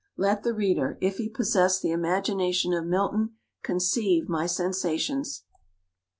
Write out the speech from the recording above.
Let the reader, if he possess the imagination of Milton, conceive my sensations.